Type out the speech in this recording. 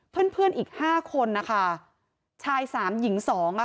เพื่อนอีก๕คนชาย๓หญิง๒